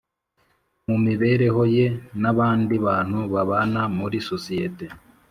mu mibereho ye n’abandi bantu babana muri sosiyeti